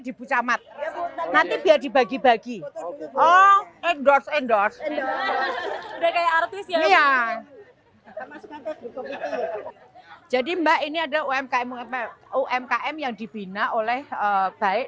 di bucamat nanti biar dibagi bagi endorse endorse jadi mbak ini ada umkm umkm yang dibina oleh baik